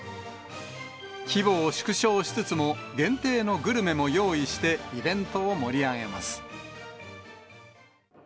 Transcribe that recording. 規模を縮小しつつも、限定のグルメも用意して、イベントを盛り上げます。